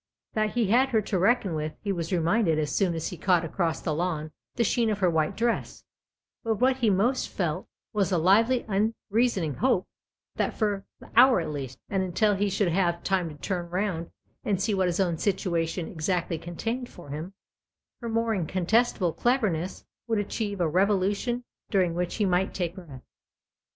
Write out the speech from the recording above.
That he had her to reckon with he was reminded as soon as he caught across the lawn the sheen of her white dress ; but what he most felt was a lively, unreasoning hope that for the hour at least, and until he should have time to turn round and see what his own situation exactly contained for him, her mere incontestable cleverness would achieve a revolution during which he might take breath.